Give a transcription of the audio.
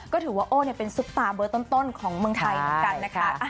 ก็ถือว่าโอเนี่ยเป็นซุปตามเบอร์ต้นของเมืองไทยกันค่ะ